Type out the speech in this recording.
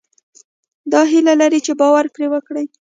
دا هيله لرئ چې باور پرې وکړئ.